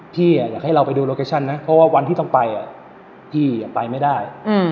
พี่อยากให้เราไปดูโลเคชั่นนะเพราะว่าวันที่ต้องไปพี่ไปไม่ได้